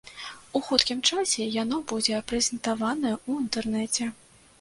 У хуткім часе яно будзе прэзентаванае ў інтэрнэце.